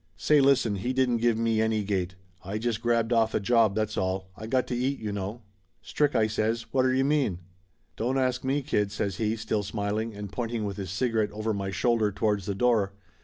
"Say, listen, he didn't give me 254 Laughter Limited any gate ! I just grabbed off a job, that's all. I got to eat, you know !" "Stride!" I says. "Whatter you mean?" "Don't ask me, kid," says he, still smiling, and pointing with his cigarette over my shoulder towards the door.